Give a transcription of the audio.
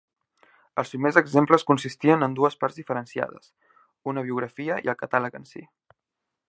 Els primers exemples consistien en dues parts diferenciades: una biografia i el catàleg en si.